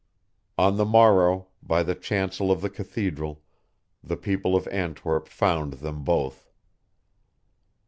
On the morrow, by the chancel of the cathedral, the people of Antwerp found them both.